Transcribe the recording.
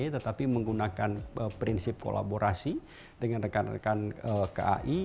tetapi menggunakan prinsip kolaborasi dengan rekan rekan kai